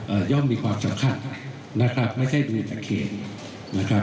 ย่อมมีความสำคัญนะครับไม่ใช่อยู่ในเขตนะครับ